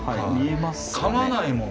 かまないもん。